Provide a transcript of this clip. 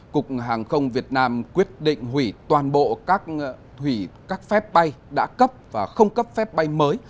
cục hàng không việt nam quyết định hủy toàn bộ các phép bay đã cấp và không cấp phép bay mới